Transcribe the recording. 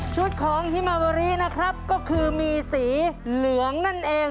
ของฮิมาวารินะครับก็คือมีสีเหลืองนั่นเอง